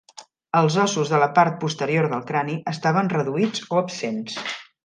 Els ossos de la part posterior del crani estaven reduïts o absents.